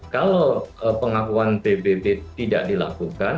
kalau pengakuan pbb tidak dilakukan